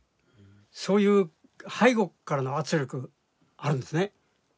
そういう背後からの圧力あるんですね。